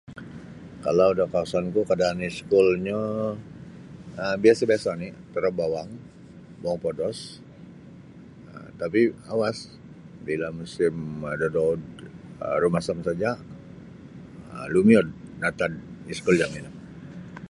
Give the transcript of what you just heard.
Kalau da kawasan ku kaadaan iskulnyo um biasa-biasa oni torob bowong bowong podos um tapi awas bila musim da doud um rumasam saja lumiud natad iskul jami no.